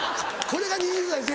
これがね。